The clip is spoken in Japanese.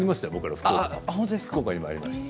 福岡にもありましたよ。